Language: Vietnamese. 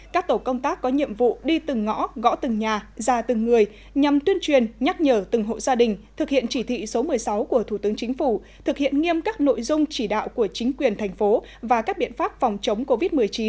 các tổ công tác có nhiệm vụ đi từng ngõ gõ từng nhà ra từng người nhằm tuyên truyền nhắc nhở từng hộ gia đình thực hiện chỉ thị số một mươi sáu của thủ tướng chính phủ thực hiện nghiêm các nội dung chỉ đạo của chính quyền thành phố và các biện pháp phòng chống covid một mươi chín